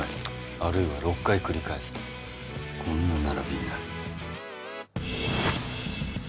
あるいは６回繰り返すとこんな並びになる。